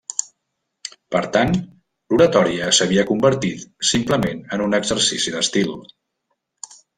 Per tant, l'oratòria s'havia convertit simplement en un exercici d'estil.